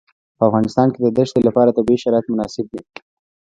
په افغانستان کې د دښتې لپاره طبیعي شرایط مناسب دي.